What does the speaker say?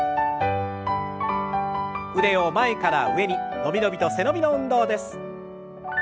腕を前から上に伸び伸びと背伸びの運動です。